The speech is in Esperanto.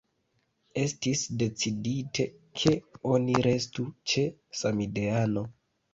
Estis decidite, ke oni restu ĉe „samideano”.